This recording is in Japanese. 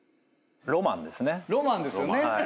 ロマンですよね。